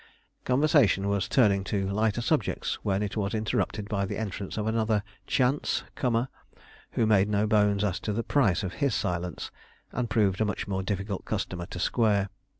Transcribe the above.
Conversation was turning to lighter subjects, when it was interrupted by the entrance of another chance (?) comer, who made no bones as to the price of his silence, and proved a much more difficult customer to square.